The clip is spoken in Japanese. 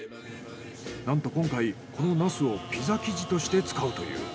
なんと今回このナスをピザ生地として使うという。